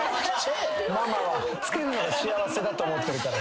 ママはくっつけんのが幸せだと思ってるから。